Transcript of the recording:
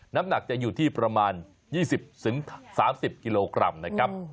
น้ำหนักจะอยู่ที่ประมาณ๒๐๓๐กิโลกรัมนะครับ